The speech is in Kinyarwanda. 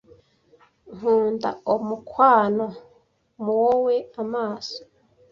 Nkunda omukwano mu wowe amaso